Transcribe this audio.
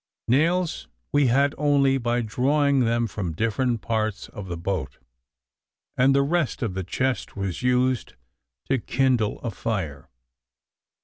Nails we had only, by drawing them from different parts of the boat; and the rest of the chest was used to kindle a fire.